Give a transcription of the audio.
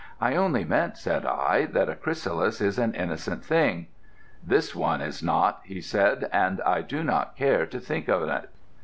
'I only meant,' said I, 'that a chrysalis is an innocent thing.' 'This one is not,' he said, 'and I do not care to think of it.'